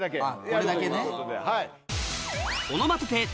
・これだけね・はい。